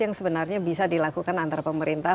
yang sebenarnya bisa dilakukan antara pemerintah